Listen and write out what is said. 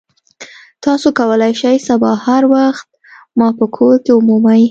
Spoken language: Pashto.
تاسو کولی شئ سبا هر وخت ما په کور کې ومومئ